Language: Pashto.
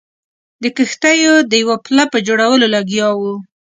د کښتیو د یوه پله په جوړولو لګیا وو.